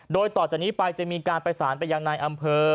โดยต่อจากนี้ไปจะมีการประสานไปยังนายอำเภอ